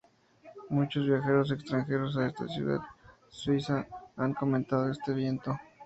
Muchos viajeros extranjeros a esta ciudad suiza han comentado este viento.